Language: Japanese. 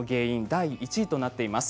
第１位となっています。